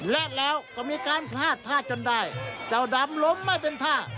และแล้วก็มีการพลาดท่าจนได้เจ้าดำล้มไม่เป็นท่า